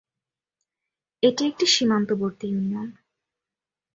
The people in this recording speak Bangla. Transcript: এটি একটি সীমান্তবর্তী ইউনিয়ন।